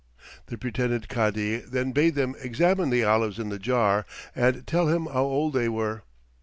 The pretended Cadi then bade them examine the olives in the jar and tell him how old they were.